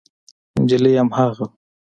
نجلۍ هماغه وه.